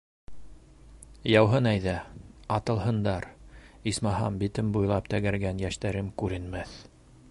Яуһын әйҙә, атылһындар, исмаһам, битем буйлап тәгәрәгән йәштәрем күренмәҫ...